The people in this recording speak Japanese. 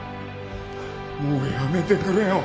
もうやめてくれよ。